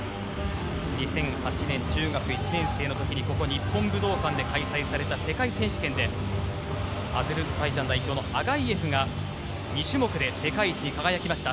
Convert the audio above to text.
２００８年、中学１年生の時にここ日本武道館で開催された世界選手権でアゼルバイジャン代表のアガイェフが２種目で世界一に輝きました。